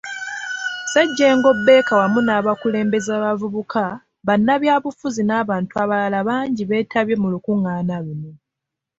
Ssejjengo Baker wamu n'abakulembeze b'abavubuka, bannabyabufuzi n'abantu abalala bangi beetabye mu lukungaana luno.